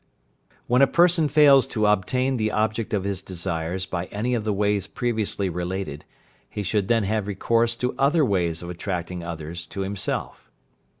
When a person fails to obtain the object of his desires by any of the ways previously related, he should then have recourse to other ways of attracting others to himself.